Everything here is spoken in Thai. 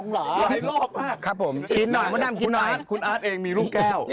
หลายรอบมากครับผมชิ้นหน่อยมานั่งกินหน่อยคุณอาร์ตคุณอาร์ตเองมีรูปแก้ว